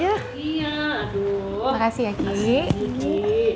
terima kasih kiki